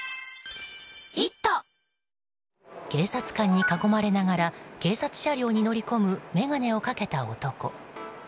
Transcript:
警察官に囲まれながら警察車両に乗り込む眼鏡をかけた男。